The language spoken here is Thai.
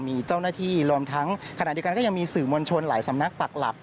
มีเจ้าหน้าที่รวมทั้งขณะเดียวกันก็ยังมีสื่อมวลชนหลายสำนักปักหลัก